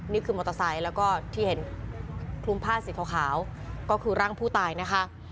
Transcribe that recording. นี่คือมอเตอร์ไซค์แล้วก็ที่เห็นคลุมผ้าสีขาวก็คือร่างผู้ตายนะคะ